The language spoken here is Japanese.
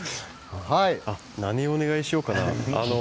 何をお願いしようかな。